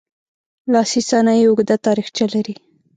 لاسي صنایع اوږده تاریخچه لري.